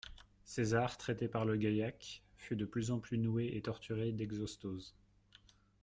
César, traité par le gaïac, fut de plus en plus noué et torturé d'exostoses.